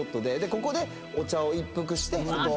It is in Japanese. ここでお茶を一服して。